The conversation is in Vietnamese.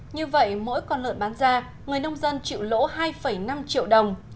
như vậy mỗi con lợn bán ra người nông dân chịu lỗ hai năm triệu đồng